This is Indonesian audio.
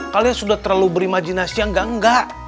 kalian sudah terlalu berimajinasi yang gangga